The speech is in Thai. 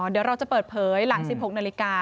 เดี๋ยวเราจะเปิดเผยหลัง๑๖นาฬิกา